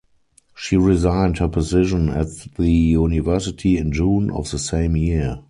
She resigned her position at the university in June of the same year.